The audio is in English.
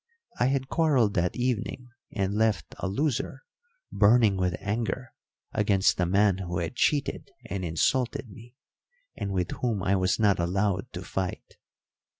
I had quarrelled that evening and left a loser, burning with anger against the man who had cheated and insulted me, and with whom I was not allowed to fight.